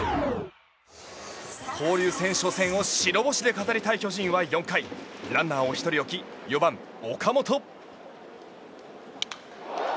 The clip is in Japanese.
交流戦初戦を白星で飾りたい巨人は４回ランナーを１人置き４番、岡本。